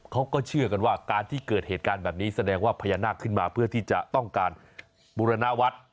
เขาก็เชื่อกันว่าการที่เกิดเหตุการณ์แบบนี้แสดงว่าพญานาคขึ้นมาเพื่อที่จะต้องการบุรณวัฒน์